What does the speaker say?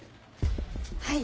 はい。